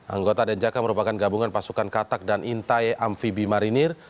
anggota denjaka merupakan gabungan pasukan katak dan intai amfibi marinir